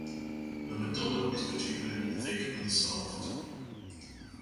The medulla is particularly thick and soft.